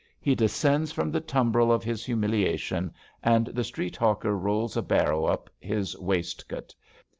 He descends from the tumbril of his humiliation, aijd the street hawker rolls a barrow up his waist coat.